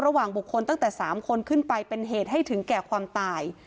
บุคคลตั้งแต่๓คนขึ้นไปเป็นเหตุให้ถึงแก่ความตาย